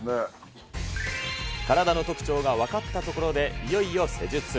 体の特徴が分かったところで、いよいよ施術。